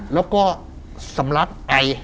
แล้วก็สำลักไอ